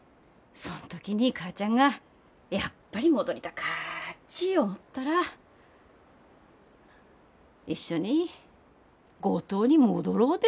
そん時に母ちゃんがやっぱり戻りたかっち思ったら一緒に五島に戻ろうで。